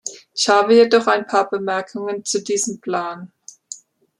Ich habe jedoch ein paar Bemerkungen zu diesem Plan.